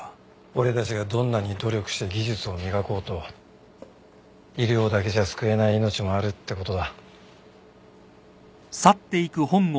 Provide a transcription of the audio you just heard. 俺たちがどんなに努力して技術を磨こうと医療だけじゃ救えない命もあるってことだ。